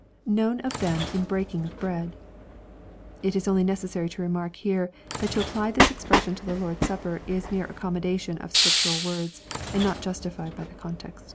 [Known of them in breaking of bread.] It is only necessary to remark here that to apply this expression to the Lord*s Supper ia mere accommodation of Scripture words, and not justified by the context LUKE XXiy.